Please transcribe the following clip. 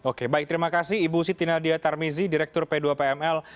oke baik terima kasih ibu siti nadia tarmizi direktur p dua pml